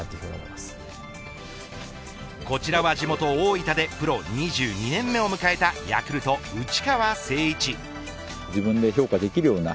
こちらは地元大分でプロ２２年目を迎えたヤクルト内川聖一。